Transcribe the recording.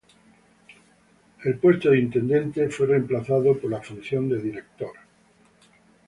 El puesto de intendente fue remplazado por la función de director.